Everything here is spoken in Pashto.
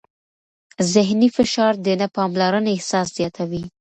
ذهني فشار د نه پاملرنې احساس زیاتوي.